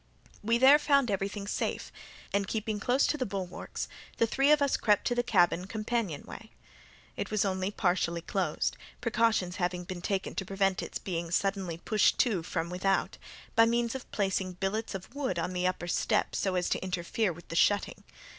We there found everything safe, and, keeping close to the bulwarks, the three of us crept to the cabin companion way. It was only partially closed, precautions having been taken to prevent its being suddenly pushed to from without, by means of placing billets of wood on the upper step so as to interfere with the shutting.